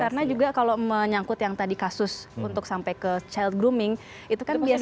karena juga kalau menyangkut yang tadi kasus untuk sampai ke child grooming itu kan biasanya